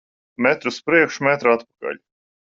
Metru uz priekšu, metru atpakaļ.